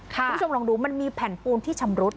คุณผู้ชมลองดูมันมีแผ่นปูนที่ชำรุด